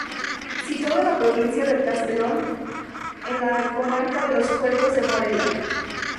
Situado en la provincia de Castellón, en la comarca de Los Puertos de Morella.